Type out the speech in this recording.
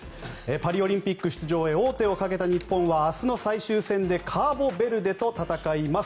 パリオリンピック出場へ王手をかけた日本は明日の最終戦でカーボベルデと戦います。